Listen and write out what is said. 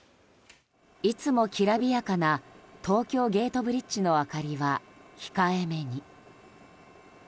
いつもきらびやかな東京ゲートブリッジの明かりは控えめに。